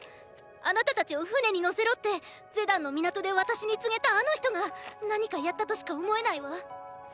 あなた達を船に乗せろってゼダンの港で私に告げたあの人が何かやったとしか思えないわ。